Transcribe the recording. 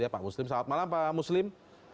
pak muslim selamat malam pak muslim